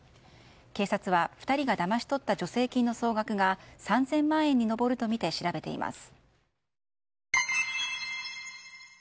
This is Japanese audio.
警察は２人がだまし取った助成金の総額が３０００万円に上るとみて調べています。